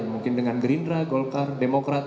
mungkin dengan gerindra golkar demokrat